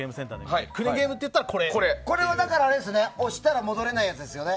これは押したら戻れないやつですよね？